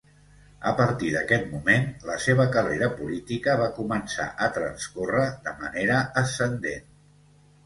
A partir d'aquest moment, la seva carrera política va començar a transcórrer de manera ascendent.